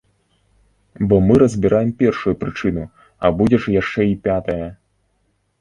Бо мы разбіраем першую прычыну, а будзе ж яшчэ й пятая!